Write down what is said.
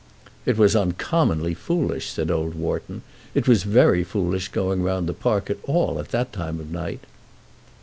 "It was uncommonly foolish," said old Wharton. "It was very foolish going round the park at all at that time of night."